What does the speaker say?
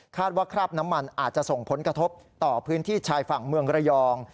ว่าคราบน้ำมันอาจจะส่งผลกระทบต่อพื้นที่ชายฝั่งเมืองระยอง